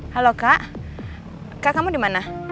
halo kak kak kamu di mana